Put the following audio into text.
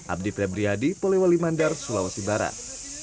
abdi febriyadi polewali mandar sulawesi barat